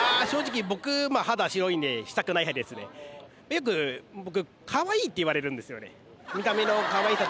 よく僕。